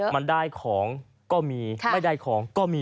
มันได้ของก็มีไม่ได้ของก็มี